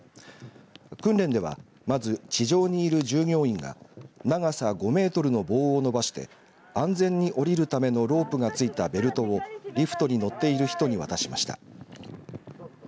訓練ではまず地上にいる従業員が長さ５メートルの棒を伸ばして安全に降りるためのロープがついたベルトをリフトに乗っている人に渡しました。